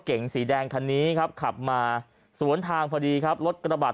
สีแดงคันนี้ครับขับมาสวนทางพอดีครับรถกระบะ